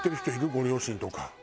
ご両親とか。